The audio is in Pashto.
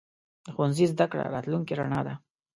د ښوونځي زده کړه راتلونکې رڼا ده.